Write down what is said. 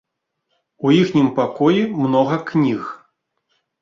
У іхнім пакоі многа кніг.